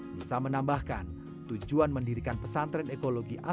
nisa menambahkan tujuan mendirikan pesantren ekologi